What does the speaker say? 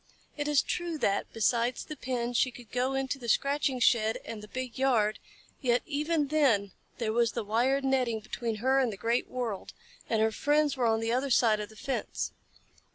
It is true that, besides the pen, she could go into the scratching shed and the big yard, yet even then there was the wired netting between her and the great world, and her friends were on the other side of the fence.